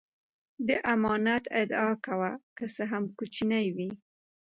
د امانت ادا کوه که څه هم کوچنی وي.